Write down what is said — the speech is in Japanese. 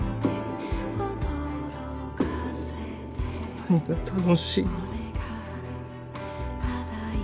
何が楽しいの？